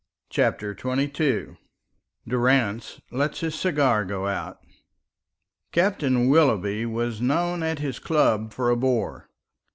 CHAPTER XXII DURRANCE LETS HIS CIGAR GO OUT Captain Willoughby was known at his club for a bore.